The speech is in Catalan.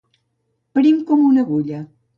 Prim com una agulla.